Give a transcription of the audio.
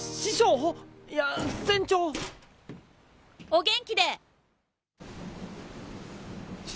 お元気で。